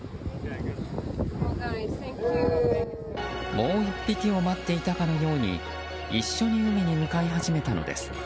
もう１匹を待っていたかのように一緒に海に向かい始めたのです。